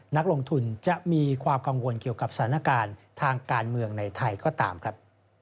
นักลงทุนจะมีความกังวลเกี่ยวกับสถานการณ์ทางการเมืองในไทยก็ตามครับ